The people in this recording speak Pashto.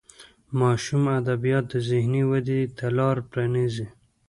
ماشوم ادبیات د ذهني ودې ته لار پرانیزي.